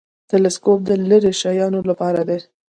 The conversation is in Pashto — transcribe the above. تلسکوپ د لیرې شیانو لپاره دی